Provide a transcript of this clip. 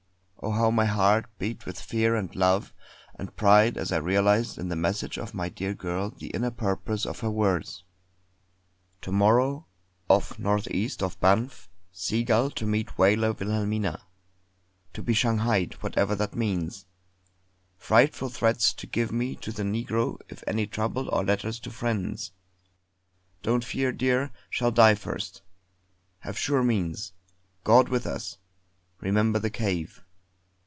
Oh, how my heart beat with fear and love and pride as I realised in the message of my dear girl the inner purpose of her words: "To morrow off north east of Banff Seagull to meet whaler Wilhelmina. To be Shanghaied whatever that means. Frightful threats to give me to the negro if any trouble, or letters to friends. Don't fear, dear, shall die first. Have sure means. God with us. Remember the cave.